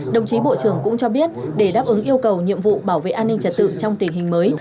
đồng chí bộ trưởng cũng cho biết để đáp ứng yêu cầu nhiệm vụ bảo vệ an ninh trật tự trong tình hình mới